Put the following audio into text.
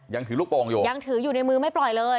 ยังถือลูกโป่งอยู่ยังถืออยู่ในมือไม่ปล่อยเลย